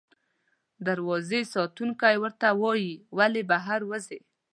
دروازې ساتونکی ورته وایي، ولې بهر وځې؟